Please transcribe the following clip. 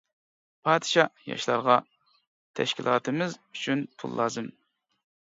پادىشاھ ياشلارغا، -تەشكىلاتىمىز ئۈچۈن پۇل لازىم.